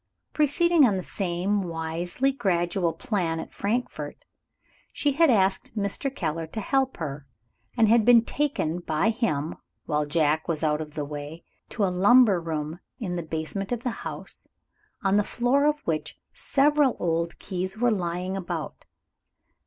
Proceeding on the same wisely gradual plan at Frankfort, she had asked Mr. Keller to help her, and had been taken by him (while Jack was out of the way) to a lumber room in the basement of the house, on the floor of which several old keys were lying about.